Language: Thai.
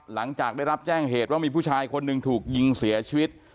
หลังจากได้รับแจ้งเหตุว่ามีผู้ชายคนหนึ่งถูกยิงเสียชีวิต